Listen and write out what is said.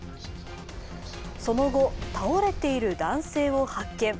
その後、倒れている男性を発見。